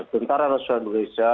tentara nasional indonesia